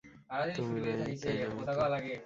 তুমি নাই, তাই না মিতু?